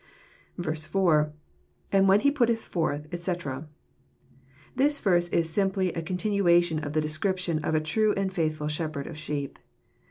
4.— [ 4w(l when he putteth forth, etc.'] This verse is simply a con tinuation of the description of a true and faithful shepherd of sheep.